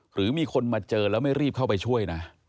หรือมีคนมาเจอแล้วไม่รีบเข้าไปช่วยนะ